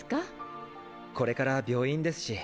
これから病院ですし。